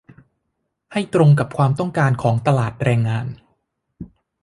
ให้ตรงกับความต้องการของตลาดแรงงาน